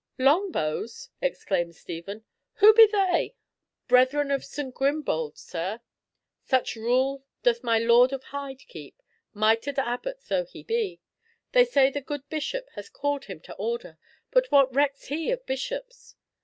"Long bows!" exclaimed Stephen. "Who be they?" "Brethren of St. Grimbald, sir. Such rule doth my Lord of Hyde keep, mitred abbot though he be. They say the good bishop hath called him to order, but what recks he of bishops?